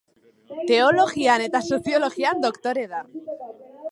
Teologian eta Soziologian doktore da.